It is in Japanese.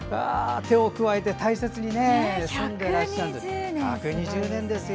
手を加えて大切に住んでいらっしゃる１２０年ですよ。